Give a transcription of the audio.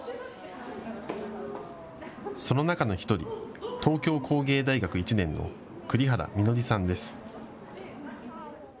その中の１人、東京工芸大学１年の栗原みのりさんです。